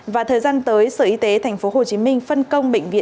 và thời gian tới sở y tế tp hcm phân công bệnh viện